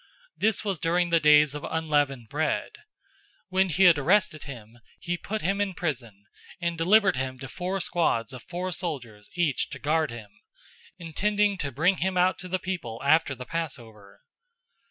This was during the days of unleavened bread. 012:004 When he had arrested him, he put him in prison, and delivered him to four squads of four soldiers each to guard him, intending to bring him out to the people after the Passover.